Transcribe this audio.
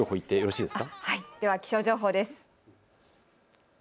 では気象情報です。